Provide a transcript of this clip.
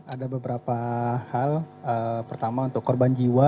ada beberapa hal pertama untuk korban jiwa